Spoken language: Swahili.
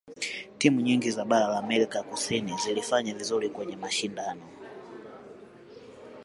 timu nyingi za bara la amerika kusini zilifanya vizuri kwenye mashindano